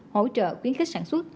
hỗ trợ quyến khích sản xuất